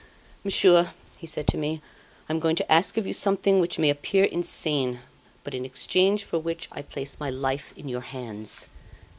"'Monsieur,' he said to me, 'I am going to ask of you something which may appear insane, but in exchange for which I place my life in your hands.